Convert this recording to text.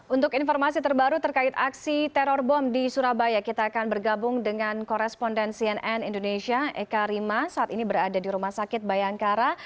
untuk informasi terbaru terkait aksi teror bom di surabaya kita akan bergabung dengan koresponden cnn indonesia eka rima saat ini berada di rumah sakit bayangkara